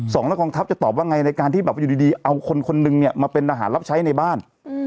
สองและกองทัพจะตอบว่าไงในการที่แบบอยู่ดีเอาคนคนนึงเนี่ยมาเป็นอาหารรับใช้ในบ้าน